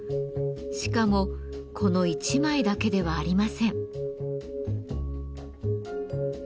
しかもこの１枚だけではありません。